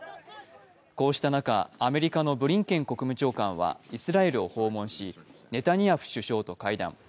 こうした中、アメリカのブリンケン国務長官はイスラエルを訪問し、ネタニヤフ首相と会談。